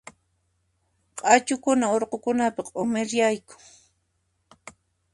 Q'achukuna urqukunapi q'umirianku.